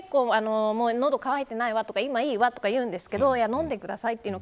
結構、喉が渇いていないとか今いいわ、とか言うんですけど飲んでくださいと。